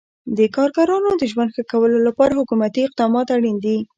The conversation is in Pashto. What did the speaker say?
د کارګرانو د ژوند ښه کولو لپاره حکومتي اقدامات اړین دي.